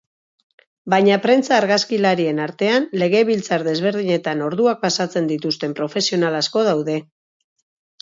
Baina prentsa argazkilarien artean, legebiltzar desberdinetan orduak pasatzen dituzten profesional asko daude.